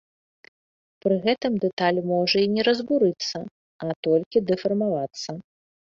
Пры гэтым дэталь можа і не разбурыцца, а толькі толькі дэфармавацца.